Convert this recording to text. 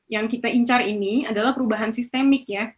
yang kita incar ini adalah perubahan sistemik ya